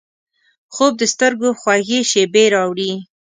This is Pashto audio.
خوب د سترګو خوږې شیبې راوړي